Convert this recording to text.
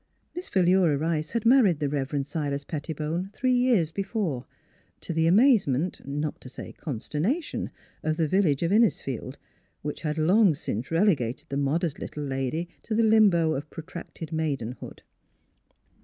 Miss Philura Rice had married the Reverend Silas Pettibone three years before, to the amazement, not to say consternation of the village of Innisfield, which had long since rele gated the modest little lady to the limbo of pro tracted maidenhood.